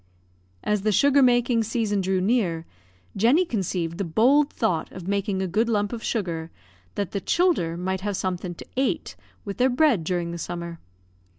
As the sugar making season drew near, Jenny conceived the bold thought of making a good lump of sugar, that the "childher" might have something to "ate" with their bread during the summer.